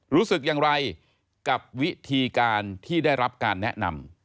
รู้สึกอย่างไรกับวิธีการที่ได้รับการแนะนำ